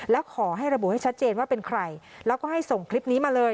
แล้วขอให้ระบุให้ชัดเจนว่าเป็นใครแล้วก็ให้ส่งคลิปนี้มาเลย